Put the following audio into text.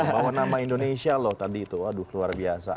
bawa nama indonesia loh tadi itu aduh luar biasa